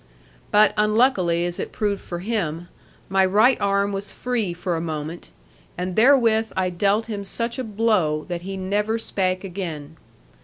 But, unluckily as it proved for him, my right arm was free for a moment; and therewith I dealt him such a blow, that he never spake again.